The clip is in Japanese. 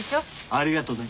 ありがとね。